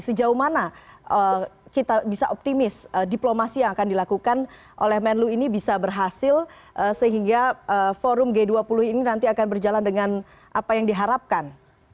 sejauh mana kita bisa optimis diplomasi yang akan dilakukan oleh menlu ini bisa berhasil sehingga forum g dua puluh ini nanti akan berjalan dengan apa yang diharapkan